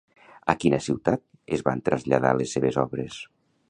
A quina ciutat es van traslladar les seves obres?